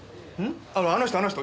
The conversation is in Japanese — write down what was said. あのあの人あの人！